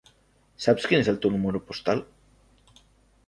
Saps quin és el teu número postal?